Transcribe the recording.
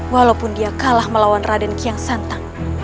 walaupun dia kalah melawan raden kiang santang